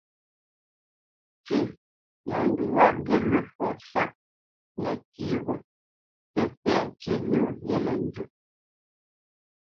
"Tʉ́ ; nǒ ndu wá mbi mə fɔ sɔ́t nə́tsí ghó tə́ fɛ́ tí nǒ yelê nzə."